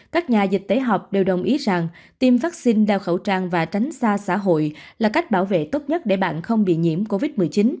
các nhà dịch tễ học đều đồng ý rằng tiêm vaccine đeo khẩu trang và tránh xa xã hội là cách bảo vệ tốt nhất để bạn không bị nhiễm covid một mươi chín